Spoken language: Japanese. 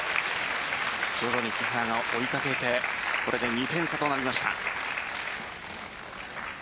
徐々に木原が追いかけてこれで２点差となりました。